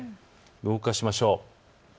動かしましょう。